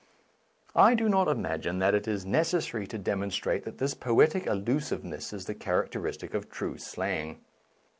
i 1 1 do not imagine that it is necessary to demonstrate that this poetic allusiveness is the characteristic of true slang.